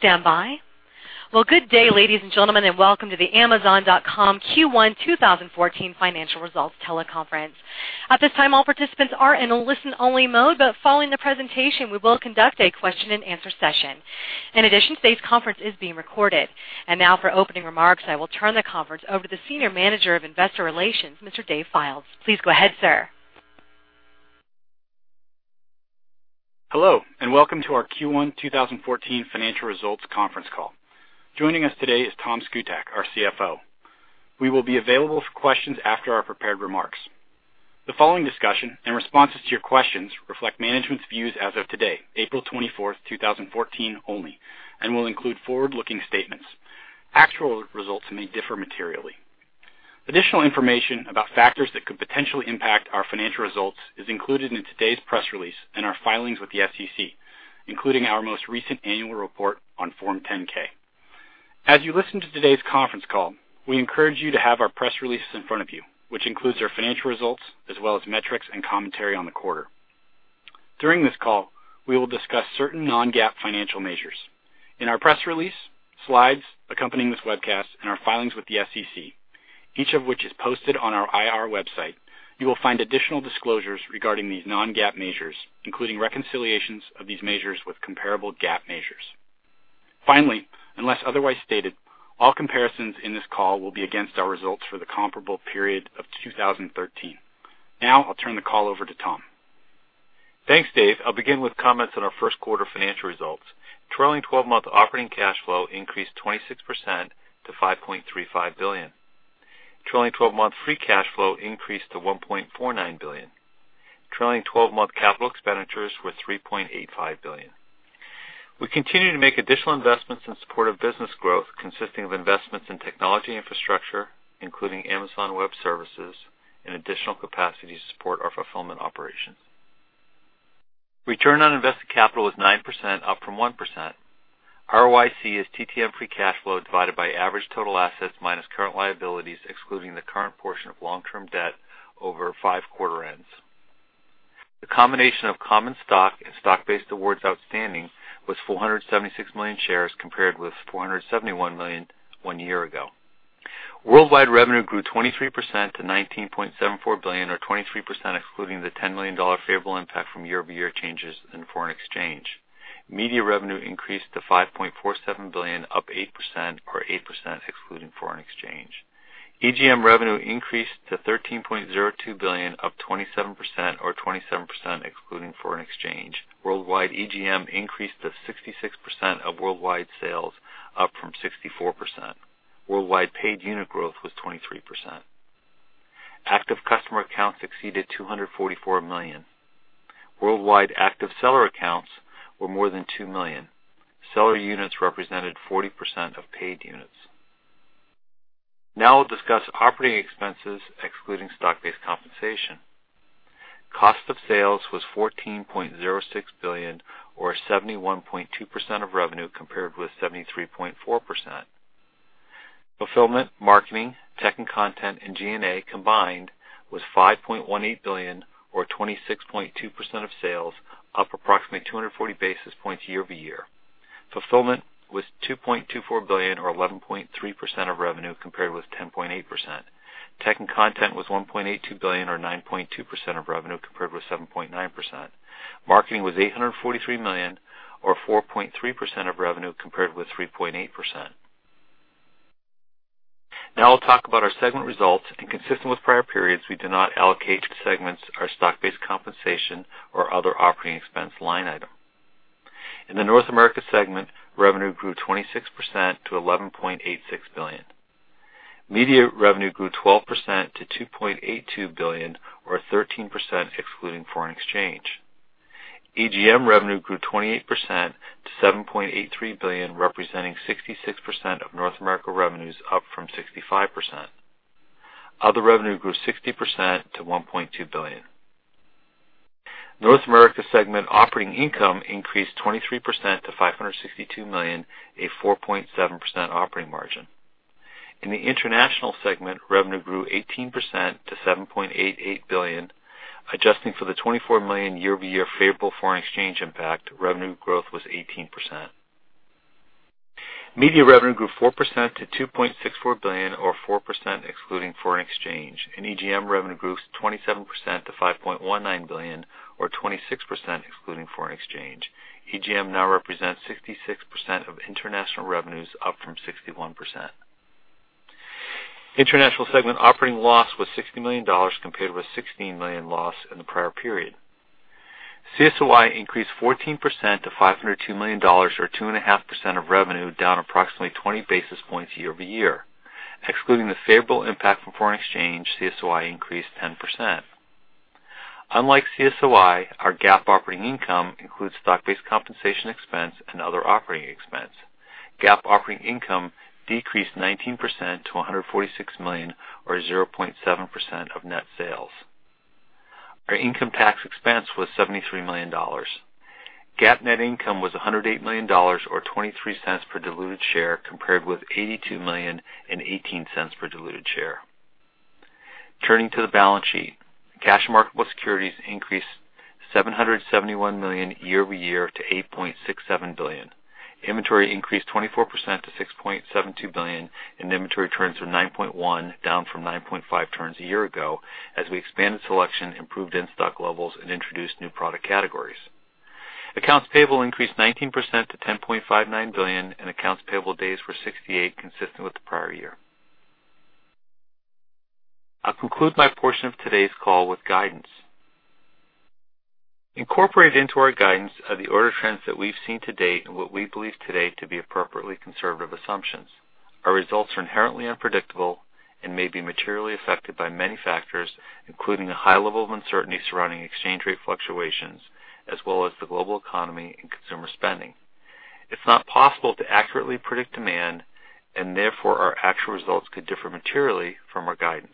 Please stand by. Well, good day, ladies and gentlemen, and welcome to the Amazon.com Q1 2014 financial results teleconference. At this time, all participants are in a listen-only mode, but following the presentation, we will conduct a question and answer session. In addition, today's conference is being recorded. Now for opening remarks, I will turn the conference over to the Senior Manager of Investor Relations, Mr. Dave Fildes. Please go ahead, sir. Hello, and welcome to our Q1 2014 financial results conference call. Joining us today is Tom Szkutak, our CFO. We will be available for questions after our prepared remarks. The following discussion and responses to your questions reflect management's views as of today, April 24, 2014 only, and will include forward-looking statements. Actual results may differ materially. Additional information about factors that could potentially impact our financial results is included in today's press release and our filings with the SEC, including our most recent annual report on Form 10-K. As you listen to today's conference call, we encourage you to have our press release in front of you, which includes our financial results as well as metrics and commentary on the quarter. During this call, we will discuss certain non-GAAP financial measures. In our press release, slides accompanying this webcast, and our filings with the SEC, each of which is posted on our IR website, you will find additional disclosures regarding these non-GAAP measures, including reconciliations of these measures with comparable GAAP measures. Unless otherwise stated, all comparisons in this call will be against our results for the comparable period of 2013. I'll turn the call over to Tom. Thanks, Dave. I'll begin with comments on our first quarter financial results. Trailing 12-month operating cash flow increased 26% to $5.35 billion. Trailing 12-month free cash flow increased to $1.49 billion. Trailing 12-month capital expenditures were $3.85 billion. We continue to make additional investments in support of business growth consisting of investments in technology infrastructure, including Amazon Web Services and additional capacity to support our fulfillment operations. Return on invested capital is 9%, up from 1%. ROIC is TTM free cash flow divided by average total assets minus current liabilities, excluding the current portion of long-term debt over five quarter ends. The combination of common stock and stock-based awards outstanding was 476 million shares compared with 471 million one year ago. Worldwide revenue grew 23% to $19.74 billion, or 23% excluding the $10 million favorable impact from year-over-year changes in foreign exchange. Media revenue increased to $5.47 billion, up 8%, or 8% excluding foreign exchange. EGM revenue increased to $13.02 billion, up 27%, or 27% excluding foreign exchange. Worldwide EGM increased to 66% of worldwide sales, up from 64%. Worldwide paid unit growth was 23%. Active customer accounts exceeded 244 million. Worldwide active seller accounts were more than 2 million. I'll discuss operating expenses excluding stock-based compensation. Cost of sales was $14.06 billion, or 71.2% of revenue, compared with 73.4%. Fulfillment, Marketing, Tech and Content, and G&A combined was $5.18 billion, or 26.2% of sales, up approximately 240 basis points year-over-year. Fulfillment was $2.24 billion, or 11.3% of revenue, compared with 10.8%. Tech and Content was $1.82 billion, or 9.2% of revenue, compared with 7.9%. Marketing was $843 million, or 4.3% of revenue, compared with 3.8%. I'll talk about our segment results, and consistent with prior periods, we do not allocate to segments our stock-based compensation or other operating expense line item. In the North America segment, revenue grew 26% to $11.86 billion. Media revenue grew 12% to $2.82 billion, or 13% excluding foreign exchange. EGM revenue grew 28% to $7.83 billion, representing 66% of North America revenues, up from 65%. Other revenue grew 60% to $1.2 billion. North America segment operating income increased 23% to $562 million, a 4.7% operating margin. In the international segment, revenue grew 18% to $7.88 billion. Adjusting for the $24 million year-over-year favorable foreign exchange impact, revenue growth was 18%. Media revenue grew 4% to $2.64 billion, or 4% excluding foreign exchange. EGM revenue grew 27% to $5.19 billion, or 26% excluding foreign exchange. EGM now represents 66% of international revenues, up from 61%. International segment operating loss was $60 million, compared with a $16 million loss in the prior period. CSOI increased 14% to $502 million, or 2.5% of revenue, down approximately 20 basis points year-over-year. Excluding the favorable impact from foreign exchange, CSOI increased 10%. Unlike CSOI, our GAAP operating income includes stock-based compensation expense and other operating expense. GAAP operating income decreased 19% to $146 million, or 0.7% of net sales. Our income tax expense was $73 million. GAAP net income was $108 million, or $0.23 per diluted share, compared with $82 million and $0.18 per diluted share. Turning to the balance sheet. Cash marketable securities increased $771 million year-over-year to $8.67 billion. Inventory increased 24% to $6.72 billion, and inventory turns were 9.1, down from 9.5 turns a year ago, as we expanded selection, improved in-stock levels, and introduced new product categories. Accounts payable increased 19% to $10.59 billion, and accounts payable days were 68, consistent with the prior year. I'll conclude my portion of today's call with guidance. Incorporated into our guidance are the order trends that we've seen to date and what we believe today to be appropriately conservative assumptions. Our results are inherently unpredictable and may be materially affected by many factors, including a high level of uncertainty surrounding exchange rate fluctuations, as well as the global economy and consumer spending. It's not possible to accurately predict demand, and therefore, our actual results could differ materially from our guidance.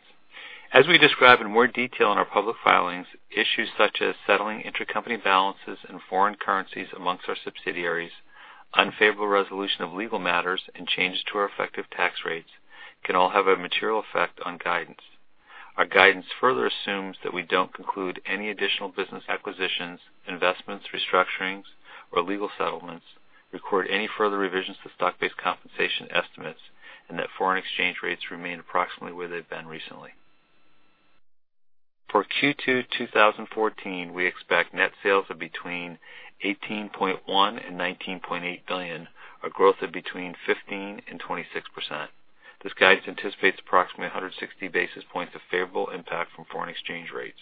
As we describe in more detail in our public filings, issues such as settling intercompany balances and foreign currencies amongst our subsidiaries, unfavorable resolution of legal matters, and changes to our effective tax rates can all have a material effect on guidance. Our guidance further assumes that we don't conclude any additional business acquisitions, investments, restructurings, or legal settlements, record any further revisions to stock-based compensation estimates, and that foreign exchange rates remain approximately where they've been recently. For Q2 2014, we expect net sales of between $18.1 billion and $19.8 billion, a growth of between 15% and 26%. This guidance anticipates approximately 160 basis points of favorable impact from foreign exchange rates.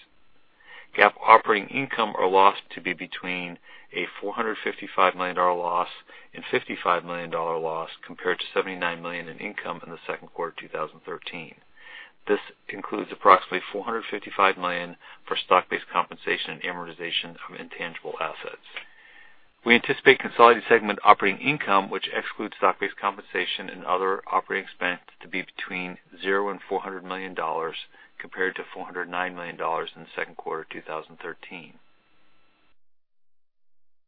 GAAP operating income or loss to be between a $455 million loss and $55 million loss, compared to $79 million in income in the second quarter of 2013. This includes approximately $455 million for stock-based compensation and amortization of intangible assets. We anticipate consolidated segment operating income, which excludes stock-based compensation and other operating expense, to be between $0 and $400 million, compared to $409 million in the second quarter of 2013.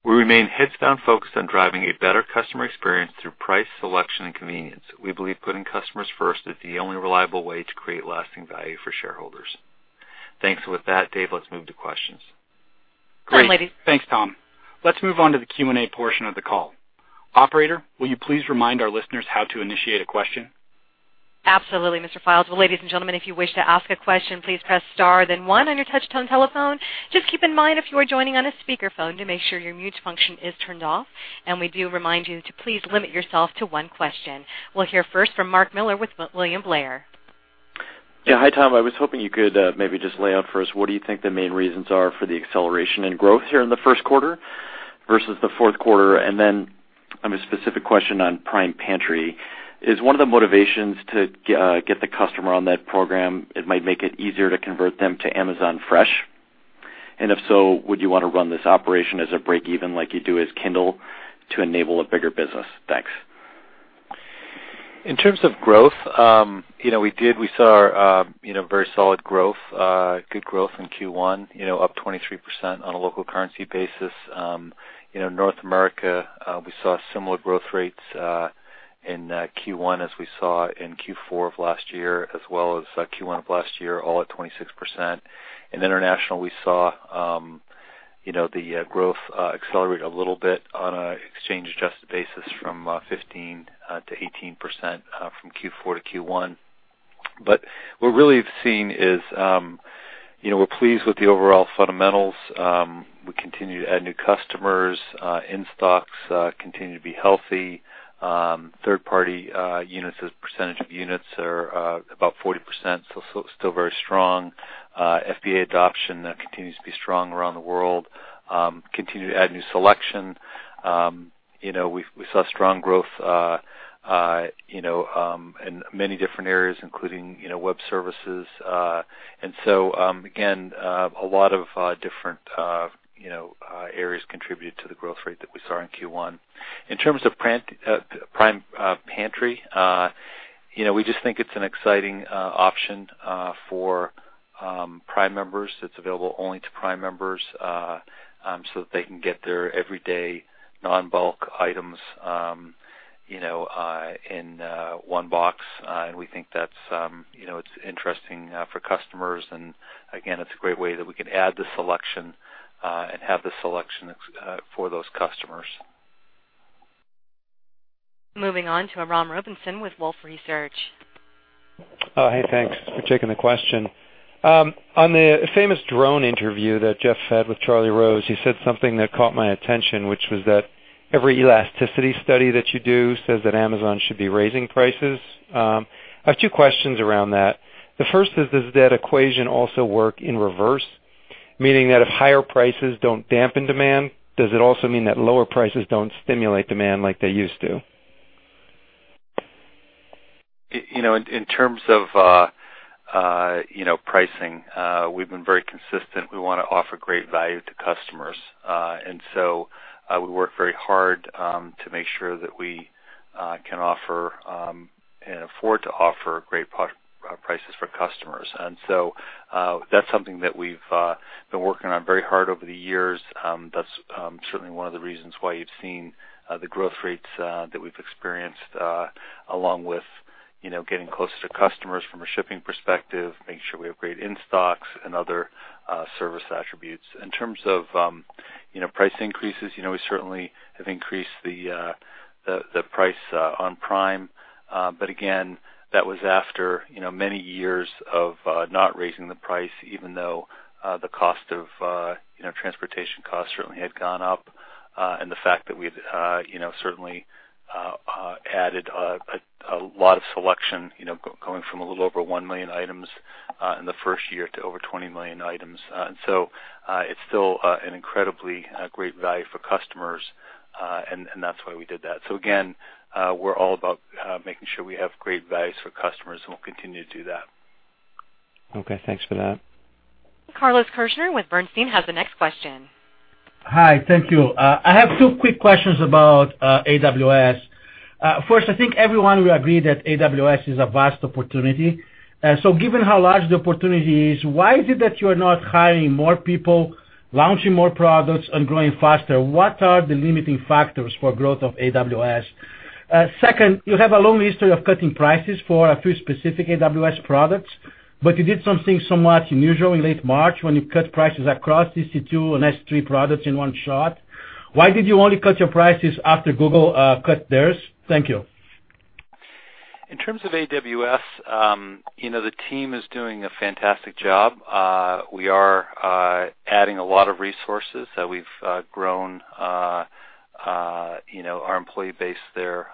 We remain heads down focused on driving a better customer experience through price, selection, and convenience. We believe putting customers first is the only reliable way to create lasting value for shareholders. Thanks. With that, Dave, let's move to questions. Great. Thanks, Tom. Let's move on to the Q&A portion of the call. Operator, will you please remind our listeners how to initiate a question? Absolutely, Mr. Fildes. Ladies and gentlemen, if you wish to ask a question, please press star then one on your touch-tone telephone. Just keep in mind if you are joining on a speakerphone to make sure your mute function is turned off, and we do remind you to please limit yourself to one question. We'll hear first from Mark Miller with William Blair. Yeah. Hi, Tom. I was hoping you could maybe just lay out for us what you think the main reasons are for the acceleration in growth here in the first quarter versus the fourth quarter. A specific question on Prime Pantry. Is one of the motivations to get the customer on that program, it might make it easier to convert them to Amazon Fresh? If so, would you want to run this operation as a break-even like you do as Kindle to enable a bigger business? Thanks. In terms of growth, we saw our very solid growth, good growth in Q1, up 23% on a local currency basis. North America, we saw similar growth rates in Q1 as we saw in Q4 of last year, as well as Q1 of last year, all at 26%. In international, we saw the growth accelerate a little bit on an exchange-adjusted basis from 15%-18% from Q4 to Q1. What really we've seen is we're pleased with the overall fundamentals. We continue to add new customers. In-stocks continue to be healthy. Third-party units as percentage of units are about 40%, so still very strong. FBA adoption continues to be strong around the world. Continue to add new selection. We saw strong growth in many different areas, including Web Services. Again, a lot of different areas contribute to the growth rate that we saw in Q1. In terms of Prime Pantry, we just think it's an exciting option for Prime members. It's available only to Prime members, so that they can get their everyday non-bulk items in one box. We think that it's interesting for customers. Again, it's a great way that we can add to selection and have the selection for those customers. Moving on to Aaron Robinson with Wolfe Research. Hey, thanks for taking the question. On the famous drone interview that Jeff had with Charlie Rose, he said something that caught my attention, which was that every elasticity study that you do says that Amazon should be raising prices. I have two questions around that. The first is, does that equation also work in reverse? Meaning that if higher prices don't dampen demand, does it also mean that lower prices don't stimulate demand like they used to? In terms of pricing, we've been very consistent. We want to offer great value to customers. We work very hard to make sure that we can offer and afford to offer great prices for customers. That's something that we've been working on very hard over the years. That's certainly one of the reasons why you've seen the growth rates that we've experienced along with getting closer to customers from a shipping perspective, making sure we have great in-stocks and other service attributes. In terms of price increases, we certainly have increased the price on Prime. Again, that was after many years of not raising the price, even though the cost of transportation costs certainly had gone up, and the fact that we've certainly added a lot of selection, going from a little over 1 million items in the first year to over 20 million items. It's still an incredibly great value for customers, and that's why we did that. Again, we're all about making sure we have great values for customers, and we'll continue to do that. Okay, thanks for that. Carlos Kirjner with Bernstein has the next question. Hi, thank you. I have two quick questions about AWS. First, I think everyone will agree that AWS is a vast opportunity. Given how large the opportunity is, why is it that you're not hiring more people, launching more products, and growing faster? What are the limiting factors for growth of AWS? Second, you have a long history of cutting prices for a few specific AWS products, but you did something somewhat unusual in late March when you cut prices across EC2 and S3 products in one shot. Why did you only cut your prices after Google cut theirs? Thank you. In terms of AWS, the team is doing a fantastic job. We are adding a lot of resources. We've grown our employee base there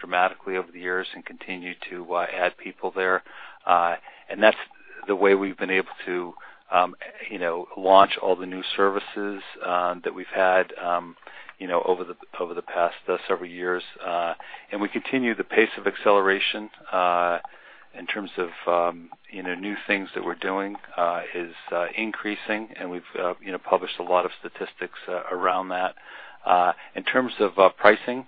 dramatically over the years and continue to add people there. That's the way we've been able to launch all the new services that we've had over the past several years. We continue the pace of acceleration in terms of new things that we're doing is increasing, and we've published a lot of statistics around that. In terms of pricing,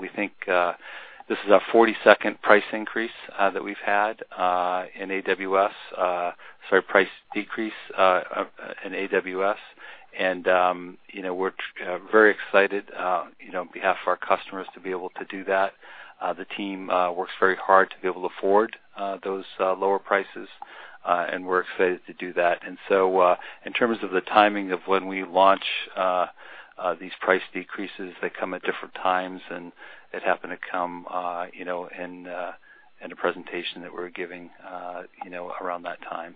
we think this is our 42nd price decrease in AWS, and we're very excited on behalf of our customers to be able to do that. The team works very hard to be able to afford those lower prices, and we're excited to do that. In terms of the timing of when we launch these price decreases, they come at different times, and it happened to come in a presentation that we were giving around that time.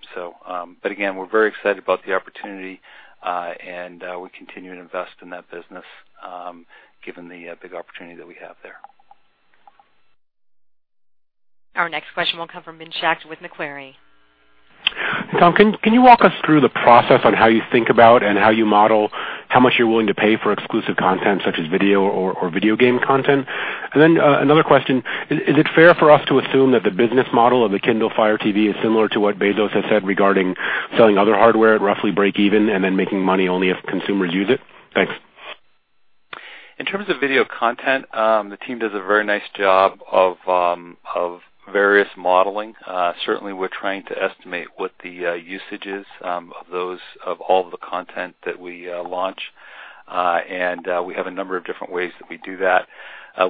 Again, we're very excited about the opportunity, and we continue to invest in that business given the big opportunity that we have there. Our next question will come from Ben Schachter with Macquarie. Tom, can you walk us through the process on how you think about and how you model how much you're willing to pay for exclusive content such as video or video game content? Then another question, is it fair for us to assume that the business model of the Kindle Fire TV is similar to what Bezos has said regarding selling other hardware at roughly break even and then making money only if consumers use it? Thanks. In terms of video content, the team does a very nice job of various modeling. Certainly, we're trying to estimate what the usage is of all the content that we launch, and we have a number of different ways that we do that.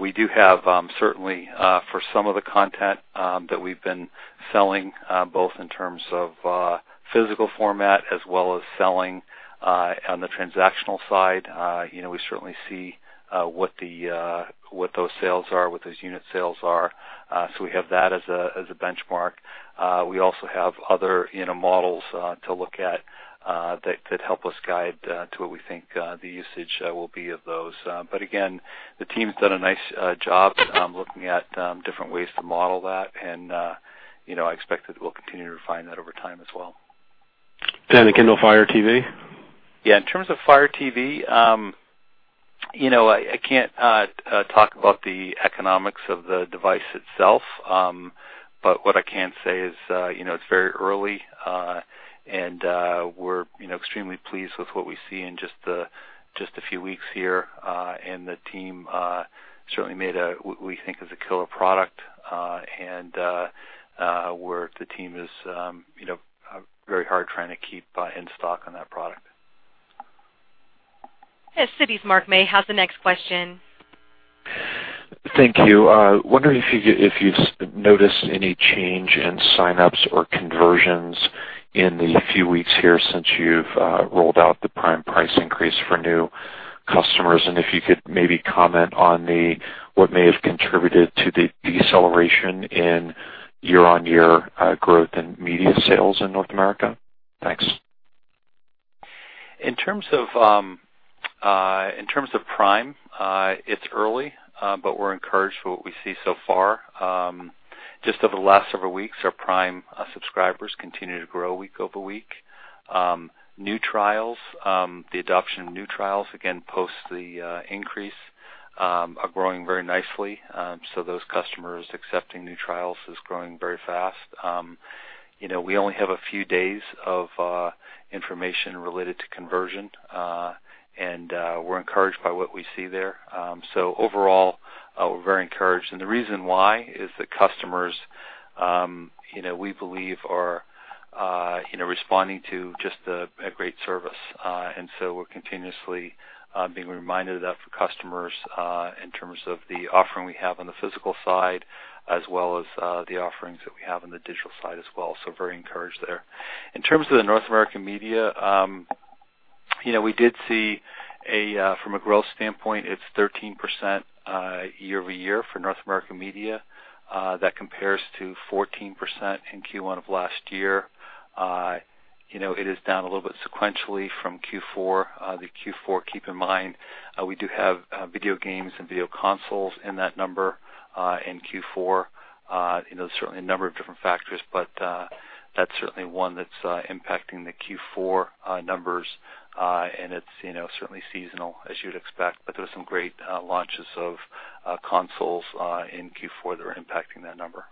We do have, certainly for some of the content that we've been selling, both in terms of physical format as well as selling on the transactional side, we certainly see what those sales are, what those unit sales are. We have that as a benchmark. We also have other models to look at that could help us guide to what we think the usage will be of those. Again, the team's done a nice job looking at different ways to model that, and I expect that we'll continue to refine that over time as well. The Kindle Fire TV? Yeah. In terms of Fire TV, I can't talk about the economics of the device itself. What I can say is it's very early, we're extremely pleased with what we see in just a few weeks here, the team certainly made what we think is a killer product, where the team is very hard trying to keep in stock on that product. Yes, Citi's Mark May has the next question. Thank you. Wondering if you've noticed any change in sign-ups or conversions in the few weeks here since you've rolled out the Prime price increase for new customers, if you could maybe comment on what may have contributed to the deceleration in year-on-year growth in media sales in North America. Thanks. In terms of Prime, it's early, we're encouraged with what we see so far. Just over the last several weeks, our Prime subscribers continue to grow week over week. New trials, the adoption of new trials, again, post the increase, are growing very nicely. Those customers accepting new trials is growing very fast. We only have a few days of information related to conversion, we're encouraged by what we see there. Overall, we're very encouraged, the reason why is that customers We believe are responding to just a great service. We're continuously being reminded of that for customers in terms of the offering we have on the physical side, as well as the offerings that we have on the digital side as well. Very encouraged there. In terms of the North American media, we did see from a growth standpoint, it's 13% year-over-year for North American media. That compares to 14% in Q1 of last year. It is down a little bit sequentially from Q4. The Q4, keep in mind, we do have video games and video consoles in that number in Q4. Certainly, a number of different factors, but that's certainly one that's impacting the Q4 numbers, and it's certainly seasonal as you'd expect. There were some great launches of consoles in Q4 that are impacting that number.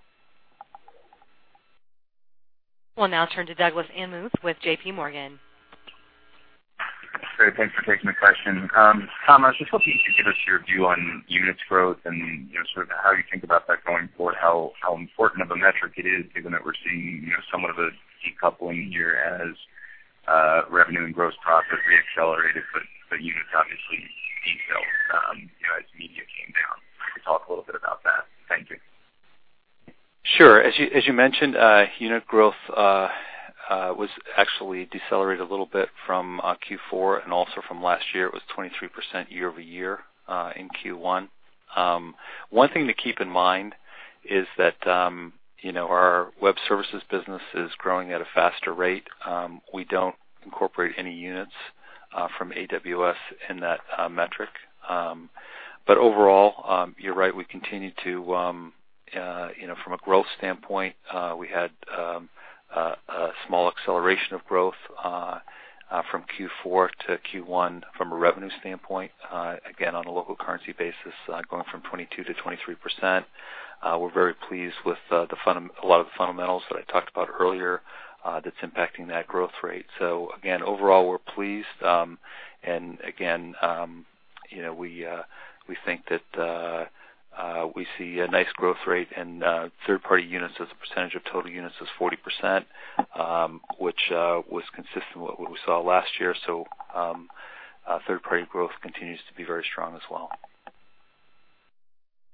We'll now turn to Doug Anmuth with JPMorgan. Great. Thanks for taking the question. Tom, I was just hoping you could give us your view on units growth and sort of how you think about that going forward, how important of a metric it is, given that we're seeing somewhat of a decoupling here as revenue and gross profit re-accelerated, units obviously decel as media came down. If you could talk a little bit about that. Thank you. Sure. As you mentioned, unit growth was actually decelerated a little bit from Q4 and also from last year. It was 23% year-over-year in Q1. One thing to keep in mind is that our web services business is growing at a faster rate. We don't incorporate any units from AWS in that metric. Overall, you're right, from a growth standpoint, we had a small acceleration of growth from Q4 to Q1 from a revenue standpoint, again, on a local currency basis, going from 22% to 23%. We're very pleased with a lot of the fundamentals that I talked about earlier that's impacting that growth rate. Again, overall, we're pleased. Again, we think that we see a nice growth rate in third-party units as a percentage of total units is 40%, which was consistent with what we saw last year. Third-party growth continues to be very strong as well.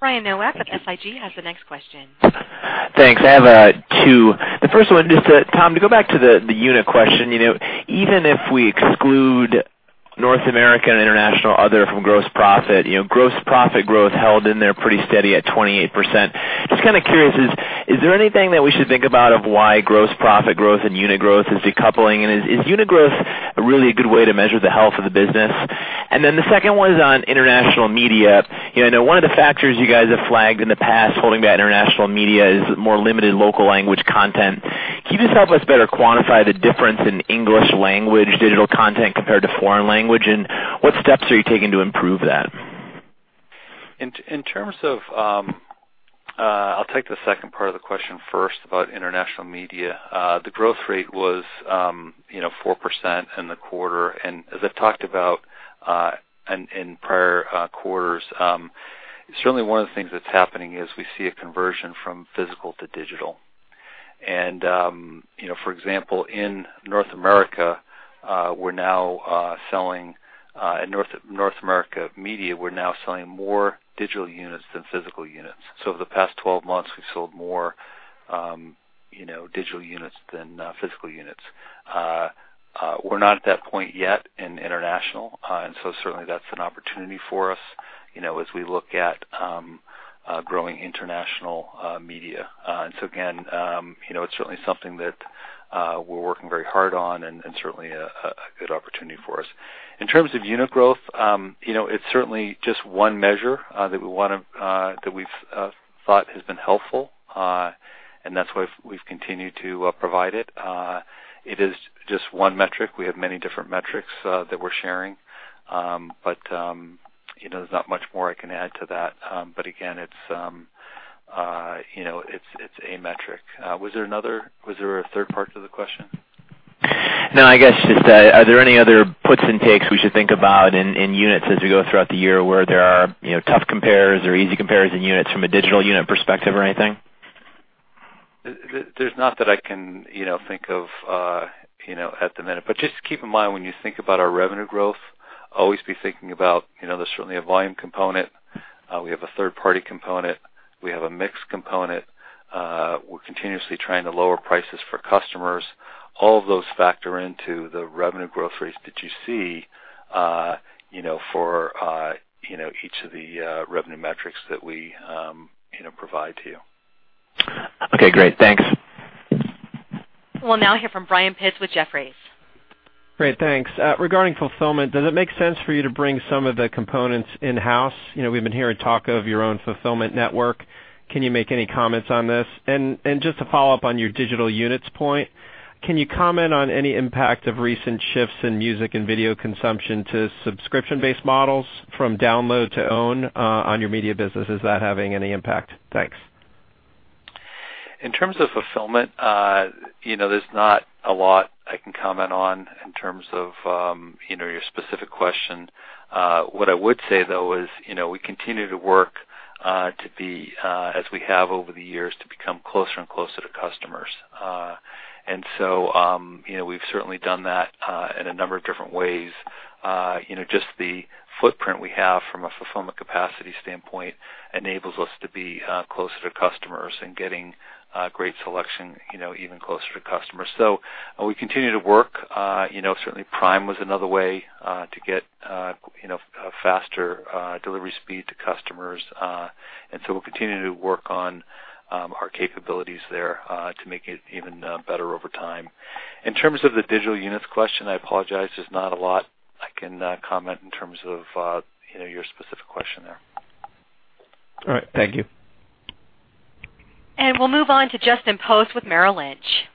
Brian Nowak at SIG has the next question. Thanks. I have two. The first one, Tom, to go back to the unit question. Even if we exclude North America and International Other from gross profit, gross profit growth held in there pretty steady at 28%. Just kind of curious, is there anything that we should think about of why gross profit growth and unit growth is decoupling? Is unit growth really a good way to measure the health of the business? The second one is on international media. I know one of the factors you guys have flagged in the past holding back international media is more limited local language content. Can you just help us better quantify the difference in English language digital content compared to foreign language? What steps are you taking to improve that? I'll take the second part of the question first about international media. The growth rate was 4% in the quarter. As I've talked about in prior quarters, certainly one of the things that's happening is we see a conversion from physical to digital. For example, in North America media, we're now selling more digital units than physical units. The past 12 months, we've sold more digital units than physical units. We're not at that point yet in international, certainly that's an opportunity for us as we look at growing international media. Again, it's certainly something that we're working very hard on and certainly a good opportunity for us. In terms of unit growth, it's certainly just one measure that we've thought has been helpful, and that's why we've continued to provide it. It is just one metric. We have many different metrics that we're sharing. There's not much more I can add to that. Again, it's a metric. Was there a third part to the question? I guess just are there any other puts and takes we should think about in units as we go throughout the year where there are tough compares or easy compares in units from a digital unit perspective or anything? There's not that I can think of at the minute. Just keep in mind when you think about our revenue growth, always be thinking about there's certainly a volume component. We have a third-party component. We have a mix component. We're continuously trying to lower prices for customers. All of those factor into the revenue growth rates that you see for each of the revenue metrics that we provide to you. Great. Thanks. We'll now hear from Brian Pitz with Jefferies. Great, thanks. Regarding fulfillment, does it make sense for you to bring some of the components in-house? We've been hearing talk of your own fulfillment network. Can you make any comments on this? Just to follow up on your digital units point, can you comment on any impact of recent shifts in music and video consumption to subscription-based models from download to own on your media business? Is that having any impact? Thanks. In terms of fulfillment, there's not a lot I can comment on in terms of your specific question. What I would say though is, we continue to work to be, as we have over the years, to become closer and closer to customers. We've certainly done that in a number of different ways. Just the footprint we have from a fulfillment capacity standpoint enables us to be closer to customers and getting great selection, even closer to customers. We continue to work. Certainly Prime was another way to get faster delivery speed to customers. We'll continue to work on our capabilities there, to make it even better over time. In terms of the digital units question, I apologize. There's not a lot I can comment in terms of your specific question there. All right. Thank you. We'll move on to Justin Post with Merrill Lynch.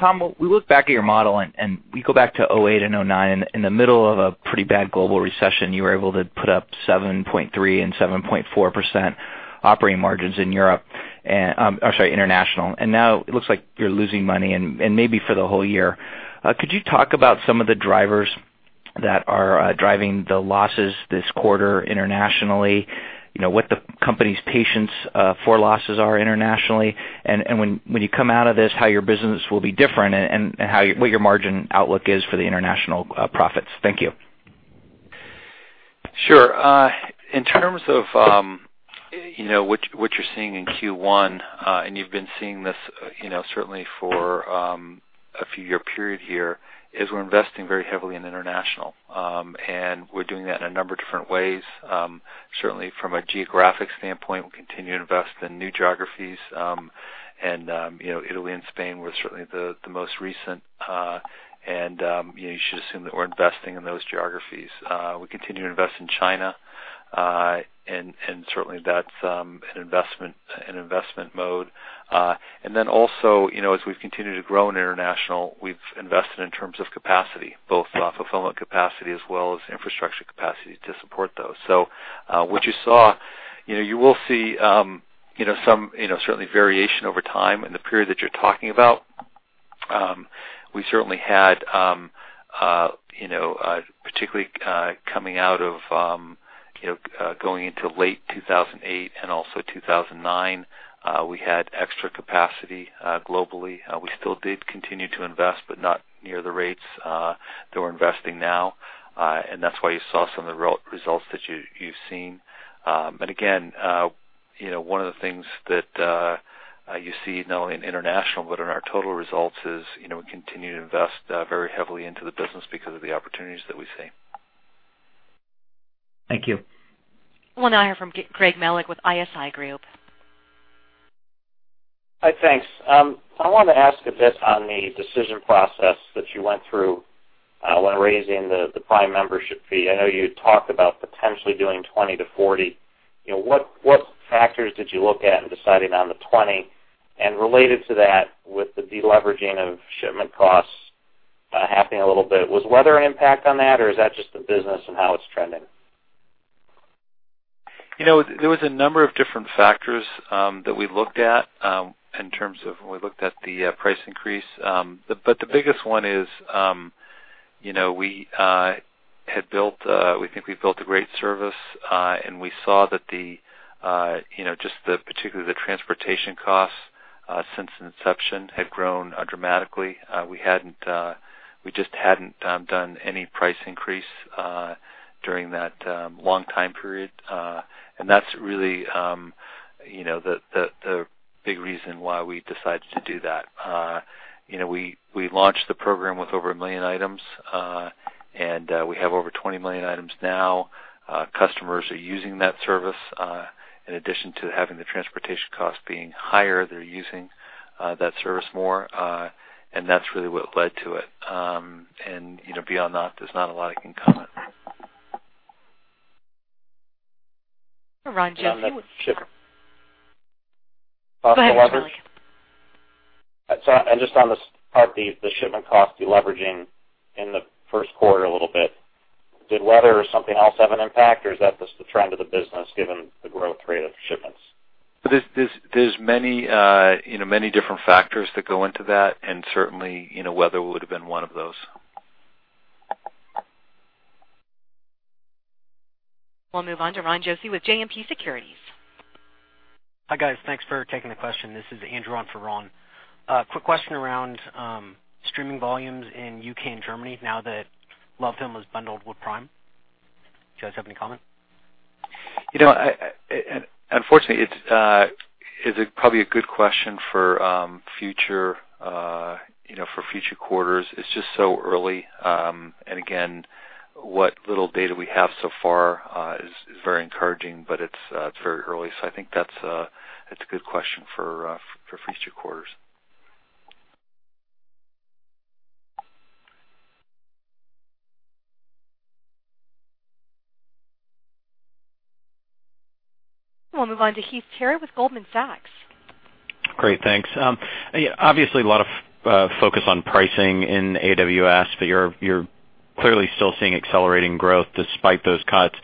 Tom, we look back at your model, and we go back to 2008 and 2009. In the middle of a pretty bad global recession, you were able to put up 7.3% and 7.4% operating margins in International. Now it looks like you're losing money and maybe for the whole year. Could you talk about some of the drivers that are driving the losses this quarter internationally, what the company's patience for losses are internationally, and when you come out of this, how your business will be different, and what your margin outlook is for the international profits? Thank you. Sure. In terms of what you're seeing in Q1, you've been seeing this certainly for a few year period here, is we're investing very heavily in International. We're doing that in a number of different ways. Certainly from a geographic standpoint, we'll continue to invest in new geographies. Italy and Spain were certainly the most recent. You should assume that we're investing in those geographies. We continue to invest in China, and certainly that's an investment mode. Then also, as we've continued to grow in International, we've invested in terms of capacity, both fulfillment capacity as well as infrastructure capacity to support those. What you saw, you will see certainly variation over time in the period that you're talking about. We certainly had, particularly coming out of going into late 2008 and also 2009, we had extra capacity globally. We still did continue to invest, but not near the rates that we're investing now. That's why you saw some of the results that you've seen. Again, one of the things that you see not only in International but in our total results is, we continue to invest very heavily into the business because of the opportunities that we see. Thank you. Well, now from Craig Kvaal with ISI Group. Hi, thanks. I wanted to ask a bit on the decision process that you went through when raising the Prime membership fee. I know you talked about potentially doing $20 to $40. What factors did you look at in deciding on the $20, and related to that, with the deleveraging of shipment costs happening a little bit, was weather an impact on that, or is that just the business and how it's trending? There was a number of different factors that we looked at in terms of when we looked at the price increase. The biggest one is, we think we've built a great service. We saw that particularly the transportation costs since inception had grown dramatically. We just hadn't done any price increase during that long time period. That's really the big reason why we decided to do that. We launched the program with over 1 million items, and we have over 20 million items now. Customers are using that service. In addition to having the transportation cost being higher, they're using that service more. That's really what led to it. Beyond that, there's not a lot I can comment. Ron Josey. On the ship- Go ahead, Charlie. Just on this part, the shipment cost deleveraging in the first quarter a little bit, did weather or something else have an impact, or is that just the trend of the business given the growth rate of shipments? There's many different factors that go into that, and certainly, weather would've been one of those. We'll move on to Ron Josey with JMP Securities. Hi, guys. Thanks for taking the question. This is Andrew on for Ron. A quick question around streaming volumes in U.K. and Germany now that LoveFilm was bundled with Prime. Do you guys have any comment? Unfortunately, it's probably a good question for future quarters. It's just so early. Again, what little data we have so far is very encouraging, but it's very early. I think that's a good question for future quarters. We'll move on to Heath Terry with Goldman Sachs. Great, thanks. Obviously, a lot of focus on pricing in AWS. You're clearly still seeing accelerating growth despite those cuts.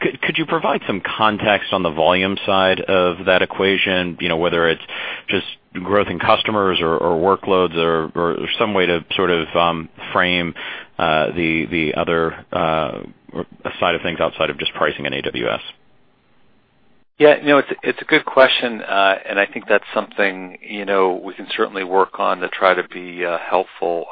Could you provide some context on the volume side of that equation? Whether it's just growth in customers or workloads or some way to sort of frame the other side of things outside of just pricing in AWS. Yeah. It's a good question, I think that's something we can certainly work on to try to be helpful.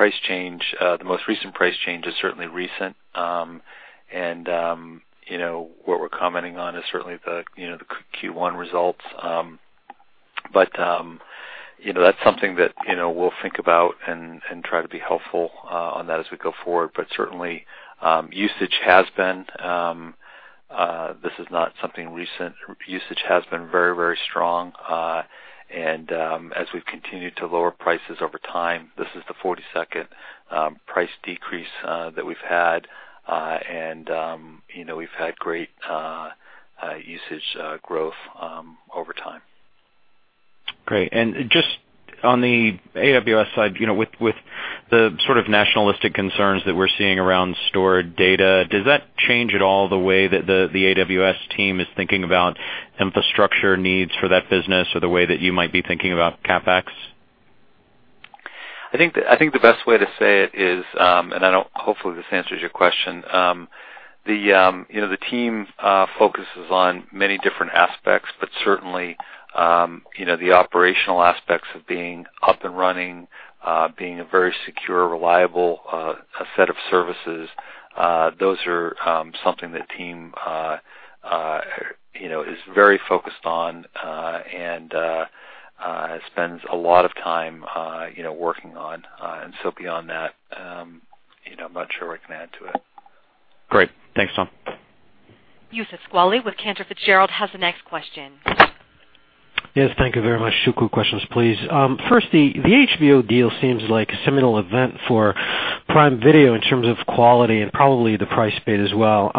The most recent price change is certainly recent, and what we're commenting on is certainly the Q1 results. That's something that we'll think about and try to be helpful on that as we go forward. Certainly, this is not something recent. Usage has been very strong. As we've continued to lower prices over time, this is the 42nd price decrease that we've had. We've had great usage growth over time. Great. Just on the AWS side, with the sort of nationalistic concerns that we're seeing around stored data, does that change at all the way that the AWS team is thinking about infrastructure needs for that business or the way that you might be thinking about CapEx? I think the best way to say it is, hopefully this answers your question. The team focuses on many different aspects, certainly, the operational aspects of being up and running, being a very secure, reliable set of services, those are something the team is very focused on and spends a lot of time working on. Beyond that, I'm not sure what I can add to it. Great. Thanks, Tom. Youssef Squali with Cantor Fitzgerald has the next question. Thank you very much. Two quick questions, please. First, the HBO deal seems like a seminal event for Prime Video in terms of quality and probably the price paid as well.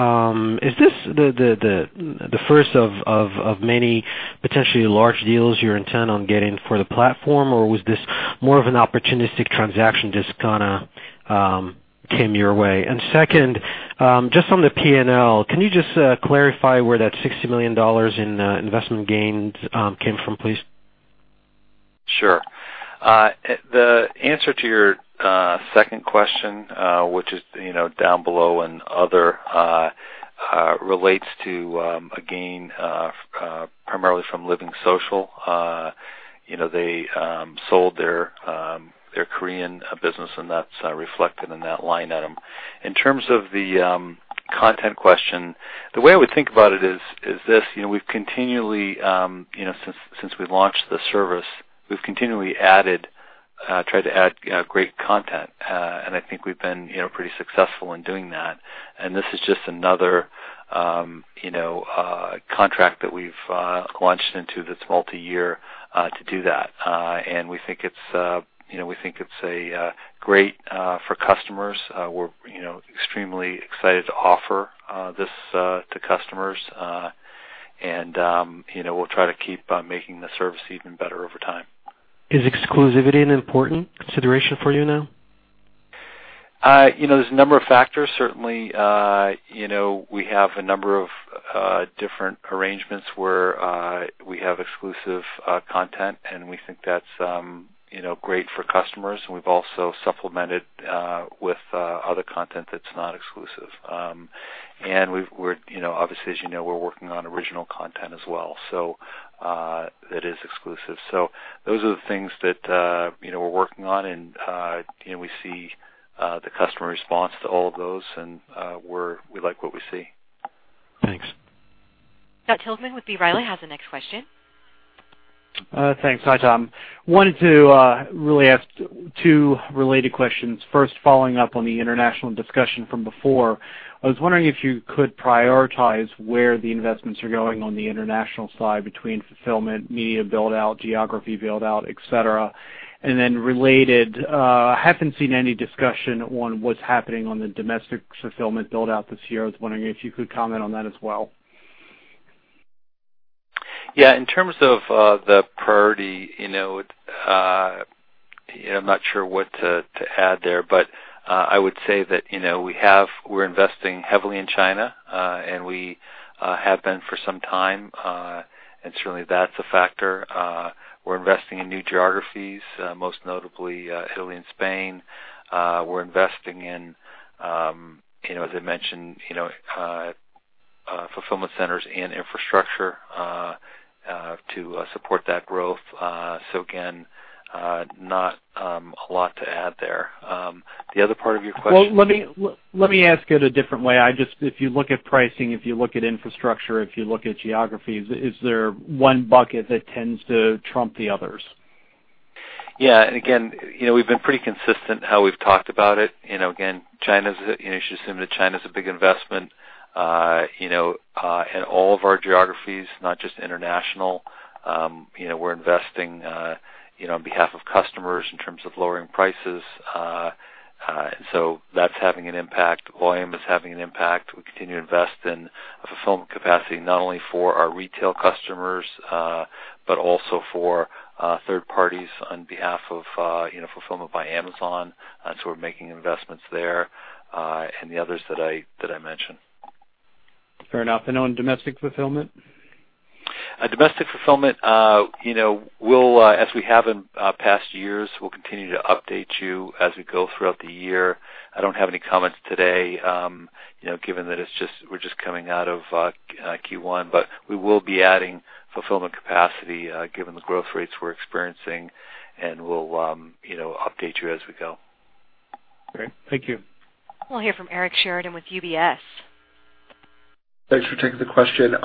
Is this the first of many potentially large deals you're intent on getting for the platform, or was this more of an opportunistic transaction, just kind of came your way? Second, just on the P&L, can you just clarify where that $60 million in investment gains came from, please? Sure. The answer to your second question, which is down below and other, relates to a gain primarily from LivingSocial. They sold their Korean business, and that's reflected in that line item. In terms of the content question, the way I would think about it is this. Since we've launched the service, we've continually tried to add great content, and I think we've been pretty successful in doing that. This is just another contract that we've launched into that's multi-year to do that. We think it's great for customers. We're extremely excited to offer this to customers. We'll try to keep on making the service even better over time. Is exclusivity an important consideration for you now? There's a number of factors. Certainly, we have a number of different arrangements where we have exclusive content, and we think that's great for customers, and we've also supplemented with other content that's not exclusive. Obviously, as you know, we're working on original content as well, so that is exclusive. Those are the things that we're working on, and we see the customer response to all of those, and we like what we see. Thanks. Scott Tilghman with B. Riley has the next question. I wanted to really ask two related questions. First, following up on the international discussion from before, I was wondering if you could prioritize where the investments are going on the international side between fulfillment, media build-out, geography build-out, et cetera. Related, I haven't seen any discussion on what's happening on the domestic fulfillment build-out this year. I was wondering if you could comment on that as well. Yeah. In terms of the priority, I'm not sure what to add there, but I would say that we're investing heavily in China, and we have been for some time. Certainly, that's a factor. We're investing in new geographies, most notably Italy and Spain. We're investing in, as I mentioned, fulfillment centers and infrastructure to support that growth. Again, not a lot to add there. The other part of your question. Well, let me ask it a different way. If you look at pricing, if you look at infrastructure, if you look at geographies, is there one bucket that tends to trump the others? Yeah. Again, we've been pretty consistent how we've talked about it. Again, you assume that China's a big investment, and all of our geographies, not just international. We're investing on behalf of customers in terms of lowering prices. That's having an impact. Volume is having an impact. We continue to invest in fulfillment capacity, not only for our retail customers, but also for third parties on behalf of Fulfillment by Amazon. We're making investments there, and the others that I mentioned. Fair enough. On domestic fulfillment? Domestic fulfillment, as we have in past years, we'll continue to update you as we go throughout the year. I don't have any comments today, given that we're just coming out of Q1, but we will be adding fulfillment capacity, given the growth rates we're experiencing, and we'll update you as we go. Great. Thank you. We'll hear from Eric Sheridan with UBS. Thanks for taking the question.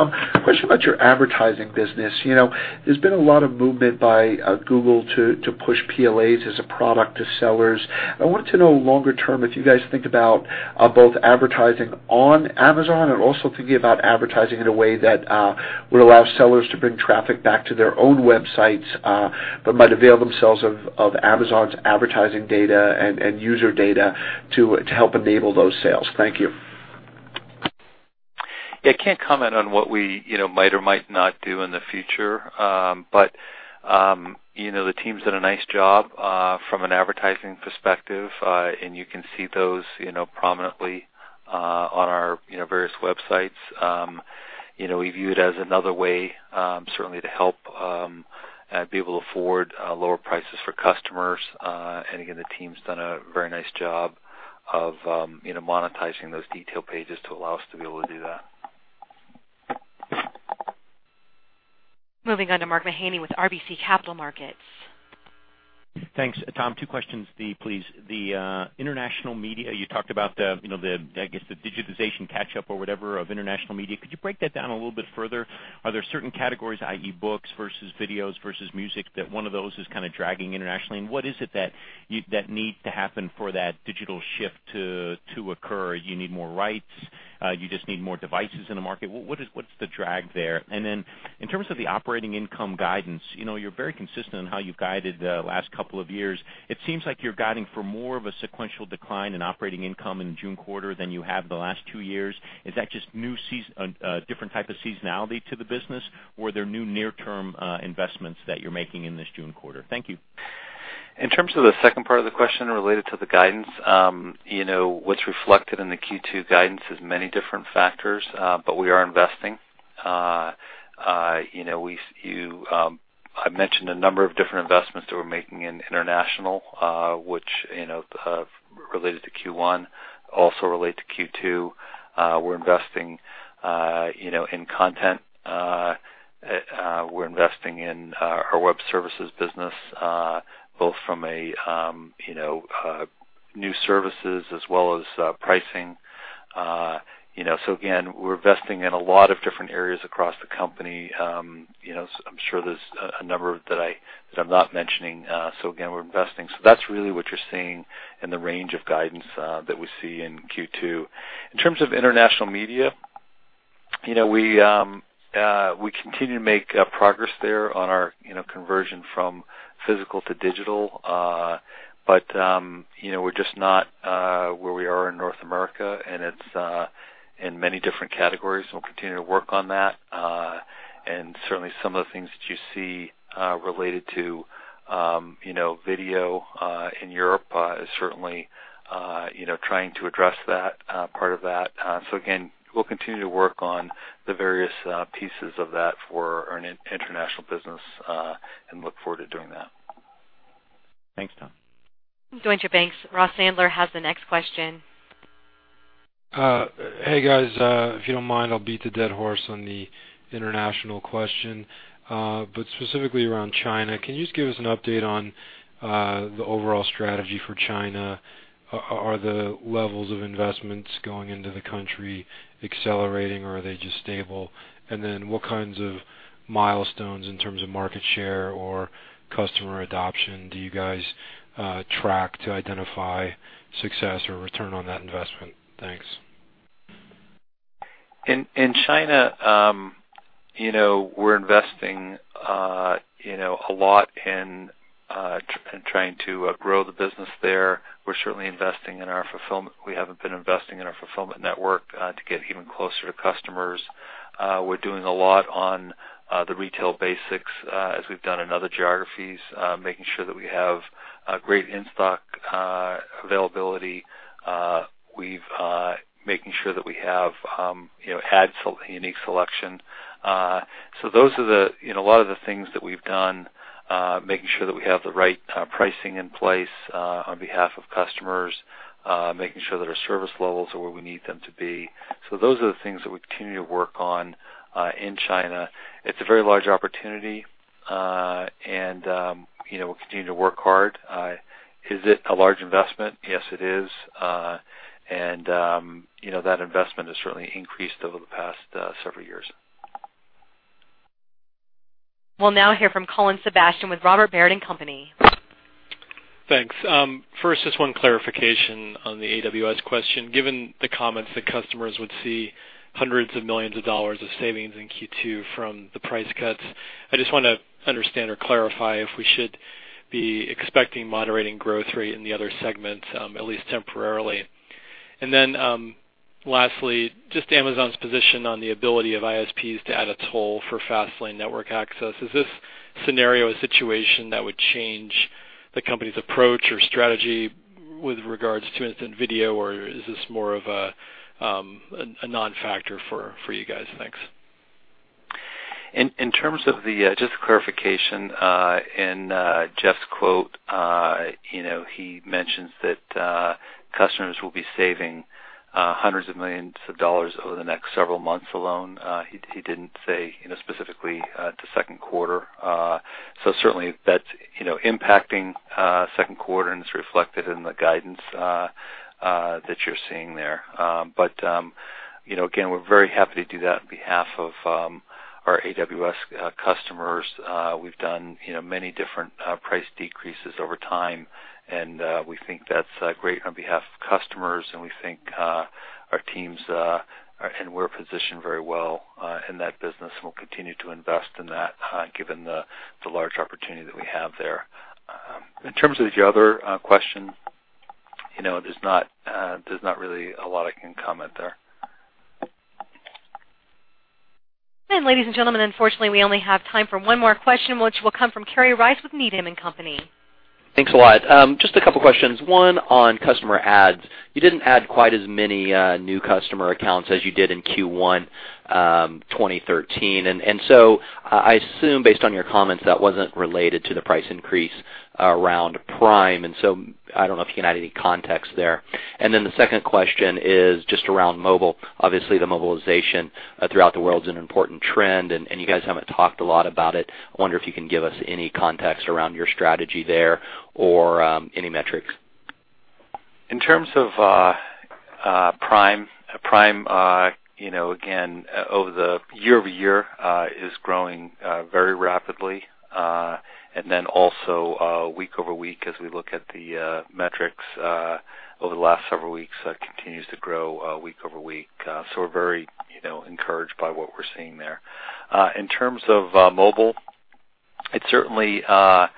Question about your advertising business. There's been a lot of movement by Google to push PLAs as a product to sellers. I wanted to know longer term, if you guys think about both advertising on Amazon and also thinking about advertising in a way that would allow sellers to bring traffic back to their own websites, but might avail themselves of Amazon's advertising data and user data to help enable those sales. Thank you. I can't comment on what we might or might not do in the future. The team's done a nice job from an advertising perspective, and you can see those prominently on our various websites. We view it as another way, certainly to help be able to afford lower prices for customers. Again, the team's done a very nice job of monetizing those detail pages to allow us to be able to do that. Moving on to Mark Mahaney with RBC Capital Markets. Thanks, Tom. Two questions, please. The international media, you talked about the, I guess the digitization catch-up or whatever, of international media. Could you break that down a little bit further? Are there certain categories, i.e., books versus videos versus music, that one of those is kind of dragging internationally? What is it that need to happen for that digital shift to occur? You need more rights, you just need more devices in the market. What's the drag there? In terms of the operating income guidance, you're very consistent on how you've guided the last couple of years. It seems like you're guiding for more of a sequential decline in operating income in the June quarter than you have the last two years. Is that just a different type of seasonality to the business, or are there new near-term investments that you're making in this June quarter? Thank you. In terms of the second part of the question related to the guidance, what's reflected in the Q2 guidance is many different factors, but we are investing. I mentioned a number of different investments that we're making in international, which related to Q1, also relate to Q2. We're investing in content. We're investing in our web services business, both from a new services as well as pricing. Again, we're investing in a lot of different areas across the company. I'm sure there's a number that I'm not mentioning. Again, we're investing. That's really what you're seeing in the range of guidance that we see in Q2. In terms of international media, we continue to make progress there on our conversion from physical to digital. We're just not where we are in North America, and it's in many different categories. We'll continue to work on that. Certainly some of the things that you see related to video in Europe is certainly trying to address that part of that. Again, we'll continue to work on the various pieces of that for our international business, and look forward to doing that. Thanks, Tom. Deutsche Bank's Ross Sandler has the next question. Hey, guys. If you don't mind, I'll beat the dead horse on the international question. Specifically around China, can you just give us an update on the overall strategy for China? Are the levels of investments going into the country accelerating, or are they just stable? What kinds of milestones in terms of market share or customer adoption do you guys track to identify success or return on that investment? Thanks. In China, we're investing a lot in trying to grow the business there. We haven't been investing in our fulfillment network to get even closer to customers. We're doing a lot on the retail basics as we've done in other geographies, making sure that we have great in-stock availability. Making sure that we have had unique selection. Those are a lot of the things that we've done, making sure that we have the right pricing in place on behalf of customers, making sure that our service levels are where we need them to be. Those are the things that we continue to work on in China. It's a very large opportunity, and we'll continue to work hard. Is it a large investment? Yes, it is. That investment has certainly increased over the past several years. We'll now hear from Colin Sebastian with Robert W. Baird & Co. Thanks. First, just one clarification on the AWS question. Given the comments that customers would see hundreds of millions of dollars of savings in Q2 from the price cuts, I just want to understand or clarify if we should be expecting moderating growth rate in the other segments, at least temporarily. Lastly, just Amazon's position on the ability of ISPs to add a toll for fast lane network access. Is this scenario a situation that would change the company's approach or strategy with regards to Prime Video or is this more of a non-factor for you guys? Thanks. In terms of just clarification, in Jeff's quote, he mentions that customers will be saving hundreds of millions of dollars over the next several months alone. He didn't say specifically to second quarter. Certainly that's impacting second quarter, and it's reflected in the guidance that you're seeing there. Again, we're very happy to do that on behalf of our AWS customers. We've done many different price decreases over time, and we think that's great on behalf of customers, and we think our teams and we're positioned very well in that business and we'll continue to invest in that given the large opportunity that we have there. In terms of the other question, there's not really a lot I can comment there. Ladies and gentlemen, unfortunately, we only have time for one more question, which will come from Kerry Rice with Needham & Company. Thanks a lot. Just a couple questions. One on customer adds. You didn't add quite as many new customer accounts as you did in Q1 2013. I assume based on your comments, that wasn't related to the price increase around Prime. I don't know if you can add any context there. The second question is just around mobile. Obviously, the mobilization throughout the world is an important trend, and you guys haven't talked a lot about it. I wonder if you can give us any context around your strategy there or any metrics. In terms of Prime, again, over the year-over-year, is growing very rapidly. Also week-over-week as we look at the metrics over the last several weeks, continues to grow week-over-week. We're very encouraged by what we're seeing there. In terms of mobile, it's certainly a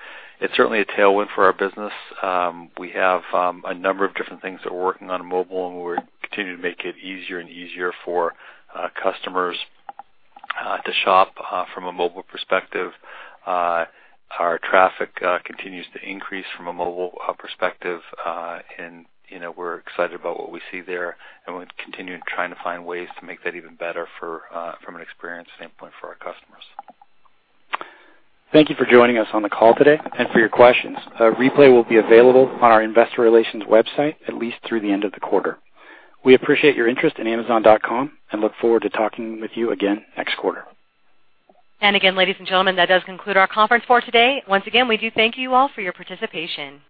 tailwind for our business. We have a number of different things that we're working on in mobile, and we continue to make it easier and easier for customers to shop from a mobile perspective. Our traffic continues to increase from a mobile perspective, and we're excited about what we see there, and we continue trying to find ways to make that even better from an experience standpoint for our customers. Thank you for joining us on the call today and for your questions. A replay will be available on our investor relations website at least through the end of the quarter. We appreciate your interest in amazon.com and look forward to talking with you again next quarter. Again, ladies and gentlemen, that does conclude our conference for today. Once again, we do thank you all for your participation.